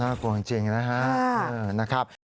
กลัวจริงนะครับ